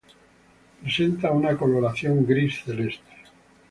Presenta una coloración gris celeste.